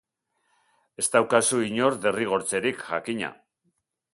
Ez daukazu inor derrigortzerik, jakina.